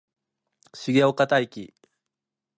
重岡大毅